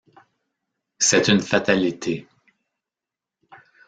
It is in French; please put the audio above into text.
C’est une fatalité.